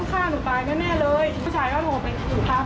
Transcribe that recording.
มีความรู้สึกว่ามีความรู้สึกว่า